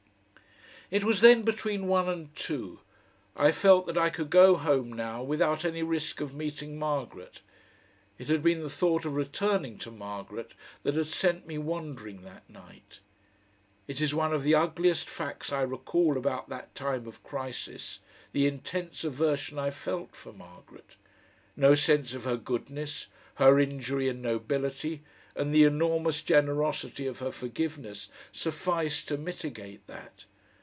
It was then between one and two. I felt that I could go home now without any risk of meeting Margaret. It had been the thought of returning to Margaret that had sent me wandering that night. It is one of the ugliest facts I recall about that time of crisis, the intense aversion I felt for Margaret. No sense of her goodness, her injury and nobility, and the enormous generosity of her forgiveness, sufficed to mitigate that.